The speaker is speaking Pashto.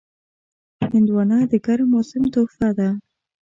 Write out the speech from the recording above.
هندوانه د ګرم موسم تحفه ده.